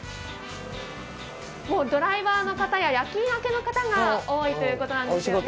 ドライバーの方や、夜勤明けの方が多いということなんですね。